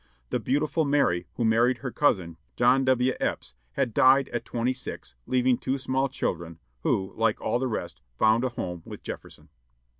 The beautiful Mary, who married her cousin, John W. Eppes, had died at twenty six, leaving two small children, who, like all the rest, found a home with Jefferson.